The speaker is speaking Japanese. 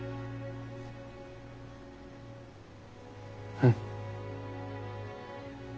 うん。